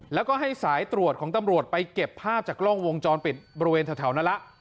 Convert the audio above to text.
แล้วก็ให้สายตรวจของตำรวจไปเก็บภาพจากกล้องวงจรปิดบริเวณแถวนั้นละ